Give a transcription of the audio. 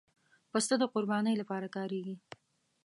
پسه د قربانۍ لپاره کارېږي.